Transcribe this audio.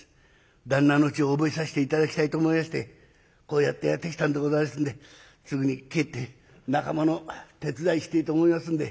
旦那のうちを覚えさせて頂きたいと思いましてこうやってやって来たんでございますんですぐに帰って仲間の手伝いしてえと思いますんで」。